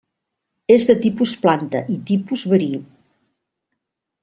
És de tipus planta i tipus verí.